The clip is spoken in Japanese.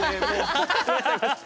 ハハハハ！